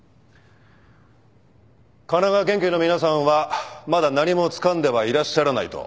神奈川県警の皆さんはまだ何もつかんではいらっしゃらないと？